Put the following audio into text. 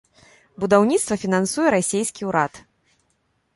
Будаўніцтва фінансуе расейскі ўрад.